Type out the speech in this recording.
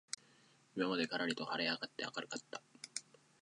今までからりと晴はれ上あがって明あかるかった